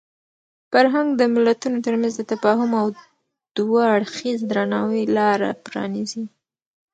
فرهنګ د ملتونو ترمنځ د تفاهم او دوه اړخیز درناوي لاره پرانیزي.